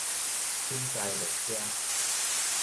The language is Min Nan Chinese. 寢台列車